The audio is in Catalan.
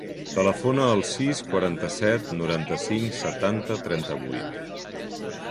Telefona al sis, quaranta-set, noranta-cinc, setanta, trenta-vuit.